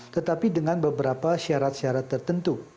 tetapi dengan beberapa syarat syarat tertentu